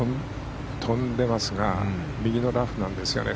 飛んでますが右のラフなんですよね。